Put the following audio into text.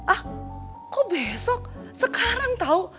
ah kok besok sekarang tau